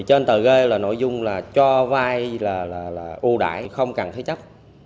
trên tờ gây là nội dung cho vai là ưu đại không cần thấy chấp